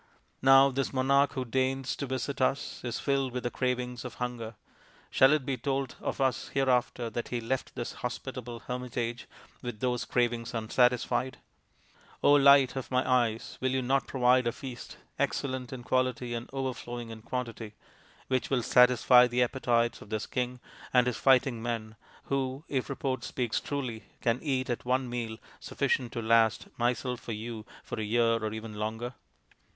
Now this monarch who deigns to visit us is filled with the cravings of hunger. Shall it be told of us hereafter that he left this hospitable hermitage with those cravings unsatisfied ? Light of my Eyes ! will you not provide a feast, excellent in quality and overflowing in quantity, which will satisfy the appetites of this king and his fighting men, who, if report speaks truly, can eat at one meal sufficient to last myself or you for a year or even longer